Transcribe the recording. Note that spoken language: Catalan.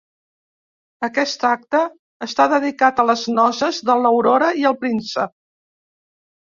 Aquest acte està dedicat a les noces de l'Aurora i el Príncep.